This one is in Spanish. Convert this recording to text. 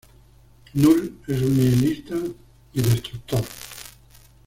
Null es un nihilista y destructor.